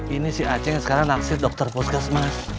ini si aceh yang sekarang naksir dokter puskesmas